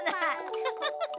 フフフフ。